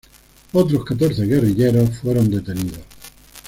Otros catorce guerrilleros fueron detenidos.